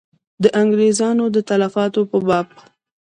د انګرېزیانو د تلفاتو په باب.